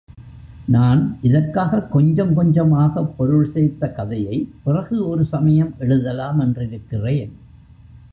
நான் இதற்காகக் கொஞ்சம் கொஞ்சமாகப் பொருள் சேர்த்த கதையை, பிறகு ஒரு சமயம் எழுதலா மென்றிருக்கிறேன்.